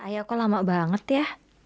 ayah kok lama banget ya